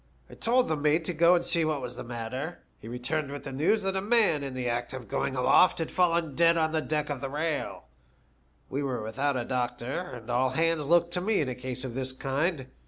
I told the mate to go and see what was the matter. He returned with the news that a man in the act of going aloft had fallen dead on deck off the rail. We were without a doctor, and all hands looked to me in a case of this kind.